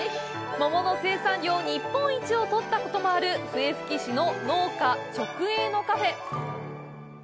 桃の生産量日本一をとったこともある笛吹市の桃農家直営のカフェ！